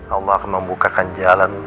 allah akan membukakan jalan